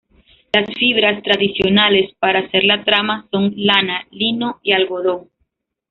Las fibras tradicionales para hacer la trama son lana, lino y algodón.